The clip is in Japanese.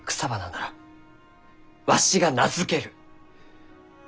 ならわしが名付ける！